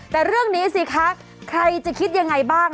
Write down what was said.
แต่เรื่องนี้สิคะใครจะคิดยังไงบ้าง